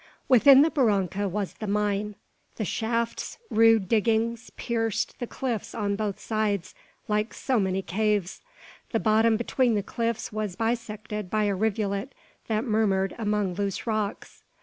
Within the barranca was the mine. The shafts, rude diggings, pierced the cliffs on both sides, like so many caves. The bottom between the cliffs was bisected by a rivulet that murmured among loose rocks.